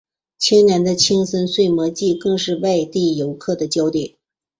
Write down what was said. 每年的青森睡魔祭更是外地游客的焦点。